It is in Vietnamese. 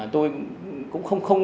tôi cũng không